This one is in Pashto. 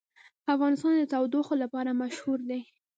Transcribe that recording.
افغانستان د تودوخه لپاره مشهور دی.